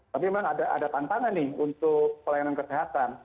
tapi memang ada tantangan nih untuk pelayanan kesehatan